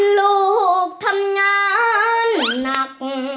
ลูกทำงานหนัก